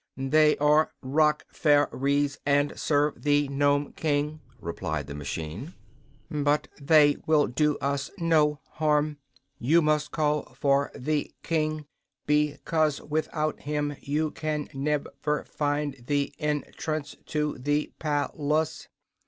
"They are rock fair ies, and serve the Nome King," replied the machine. "But they will do us no harm. You must call for the King, be cause with out him you can ne ver find the en trance to the pal ace."